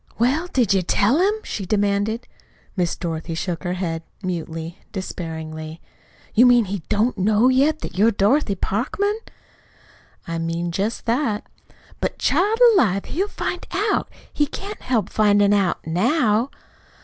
"Well, did you tell him?" she demanded. Miss Dorothy shook her head, mutely, despairingly. "You mean he don't know yet that you're Dorothy Parkman?" "I mean just that." "But, child alive, he'll find out he can't help finding out now."